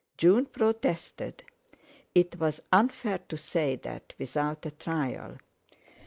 June protested. It was unfair to say that without a trial.